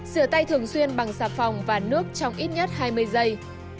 sửa tay thường xuyên bằng xà phòng và nước trong ít nhất hai mươi giây